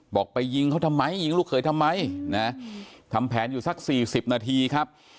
ไปยิงเขาทำไมยิงลูกเขยทำไมนะทำแผนอยู่สักสี่สิบนาทีครับ